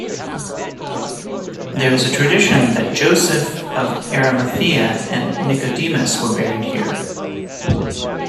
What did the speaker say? There is a tradition that Joseph of Arimathea and Nicodemus were buried here.